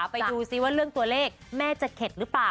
ไปดูซิว่าเรื่องตัวเลขแม่จะเข็ดหรือเปล่า